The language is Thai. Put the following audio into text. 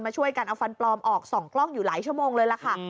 ช่วยกันเอาฟันปลอมออกส่องกล้องอยู่หลายชั่วโมงเลยล่ะค่ะ